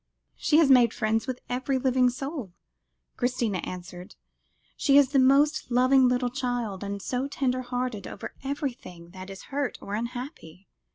"She has made friends with every living soul," Christina answered; "she is the most loving little child, and so tender hearted over everything that is hurt or unhappy.